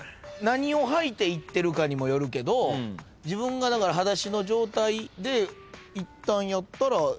何を履いて行ってるかにもよるけど自分がはだしの状態で行ったんやったらええと思う。